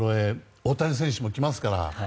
大谷選手も来ますから。